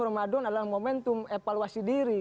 ramadan adalah momentum evaluasi diri